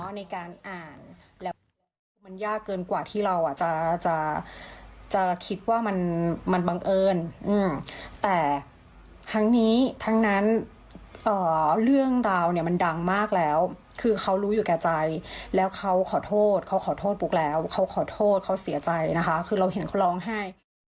ในการอ่านแล้วมันยากเกินกว่าที่เราจะจะคิดว่ามันบังเอิญแต่ครั้งนี้ทั้งนั้นเรื่องราวเนี่ยมันดังมากแล้วคือเขารู้อยู่แก่ใจแล้วเขาขอโทษเขาขอโทษปุ๊กแล้วเขาขอโทษเขาเสียใจนะคะคือเราเห็นเขาร้องไห้